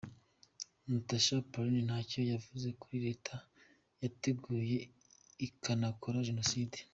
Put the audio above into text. Natacha Polony ntacyo yavuze kuri leta yateguye ikanakora Jenoside.